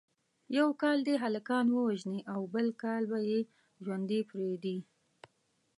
یو کال دې هلکان ووژني او بل کال به یې ژوندي پریږدي.